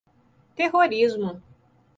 Terrorismo